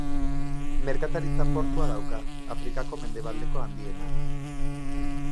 Merkataritza portua dauka, Afrikako mendebaleko handiena.